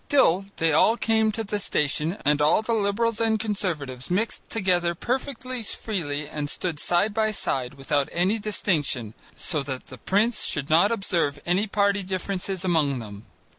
Still, they all came to the station and all the Liberals and Conservatives mixed together perfectly freely and stood side by side without any distinction, so that the prince should not observe any party differences among them.